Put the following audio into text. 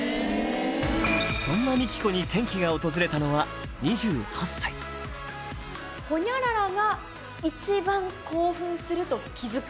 そんなＭＩＫＩＫＯに転機が訪れたのは２８歳ホニャララが一番興奮すると気付く。